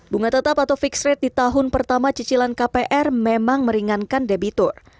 bunga tetap atau fixed rate di tahun pertama cicilan kpr memang meringankan debitur